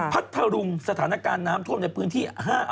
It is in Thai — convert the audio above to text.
พัทธรุงสถานการณ์น้ำท่วมในพื้นที่